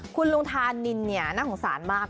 คุณลุงธานินเนี่ยน่าสงสารมาก